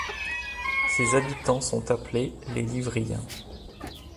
Ses habitants sont appelés les Livryens.